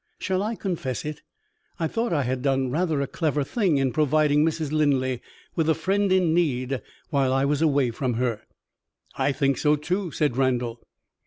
Shall I confess it? I thought I had done rather a clever thing in providing Mrs. Linley with a friend in need while I was away from her." "I think so, too," said Randal.